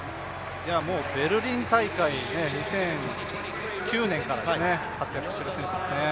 もうベルリン大会、２００９年から活躍している選手ですね。